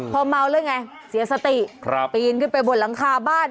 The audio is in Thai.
พอเมาแล้วไงเสียสติปีนขึ้นไปบนหลังคาบ้าน